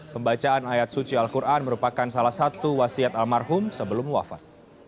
pembacaan ayat suci al quran merupakan salah satu wasiat almarhum sebelum wafat